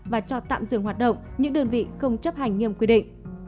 và cho tạm dừng hoạt động những đơn vị không chấp hành nghiêm quy định